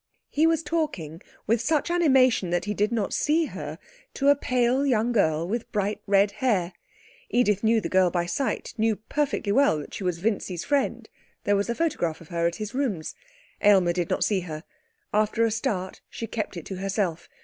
He was talking with such animation that he did not see her, to a pale young girl with bright red hair. Edith knew the girl by sight, knew perfectly well that she was Vincy's friend there was a photograph of her at his rooms. Aylmer did not see her. After a start she kept it to herself.